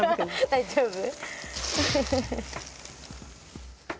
大丈夫？